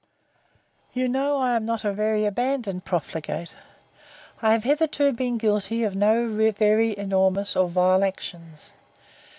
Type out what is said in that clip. You know I am not a very abandoned profligate; I have hitherto been guilty of no very enormous or vile actions.